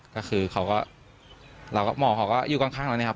ก็คือเขาก็หมอเขาก็อยู่ข้างแล้วเนี่ยครับ